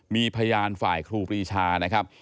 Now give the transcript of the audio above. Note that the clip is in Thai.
มีพยานฝ่ายครูปรีชานะครับ